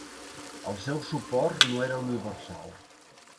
El seu suport no era universal.